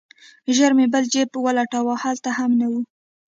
ژر مې بل جيب ولټاوه هلته هم نه و.